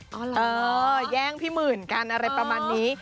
อ๋อเหรอแย่งพี่หมื่นกันอะไรประมาณนี้